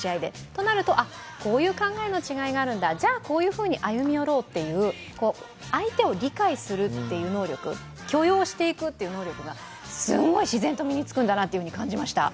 となると、こういう考えの違いがあるんだ、じゃこういうふうに歩み寄ろうという、許容していくという能力がすごい自然と身につくんだなと感じました。